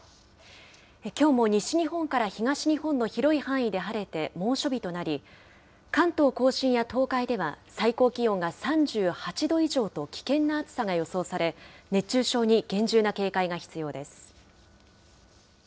きょうも西日本から東日本の広い範囲で晴れて、猛暑日となり、関東甲信や東海では、最高気温が３８度以上と危険な暑さが予想され、熱中症に厳重な警戒が必要です。